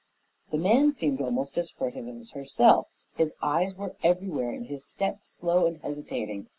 The man seemed almost as furtive as herself; his eyes were everywhere and his step slow and hesitating.